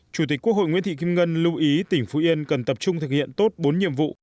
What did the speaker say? chủ tịch quốc hội nguyễn thị kim ngân lưu ý tỉnh phú yên cần tập trung thực hiện tốt bốn nhiệm vụ